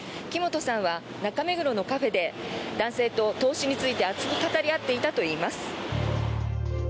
木本さんは中目黒のカフェで男性と投資について熱く語り合っていたといいます。